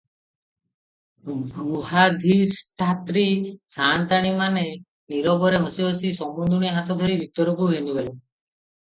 ଗୃହାଧିଷ୍ଠାତ୍ରୀ ସାଆନ୍ତାଣୀମାନେ ନୀରବରେ ହସି ହସି ସମୁନ୍ଧୁଣୀ ହାତଧରି ଭିତରକୁ ଘେନିଗଲେ ।